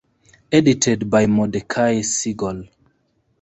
Edited by Mordecai Siegal.